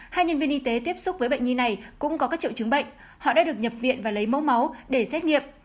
hai nhân viên y tế tiếp xúc với bệnh nhi này cũng có các triệu chứng bệnh họ đã được nhập viện và lấy mẫu máu để xét nghiệm